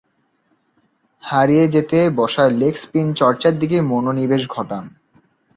হারিয়ে যেতে বসা লেগ স্পিন চর্চার দিকে মনোনিবেশ ঘটান।